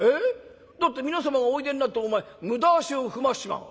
だって皆様がおいでになってお前無駄足を踏ましちまう」。